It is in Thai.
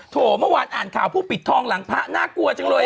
เมื่อวานอ่านข่าวผู้ปิดทองหลังพระน่ากลัวจังเลย